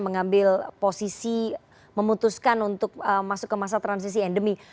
mengambil posisi memutuskan untuk masuk ke masa transisi endemi